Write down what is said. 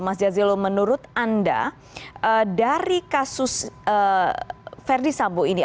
mas jazilul menurut anda dari kasus verdi sambo ini